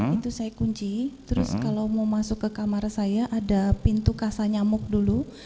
itu saya kunci terus kalau mau masuk ke kamar saya ada pintu kasa nyamuk dulu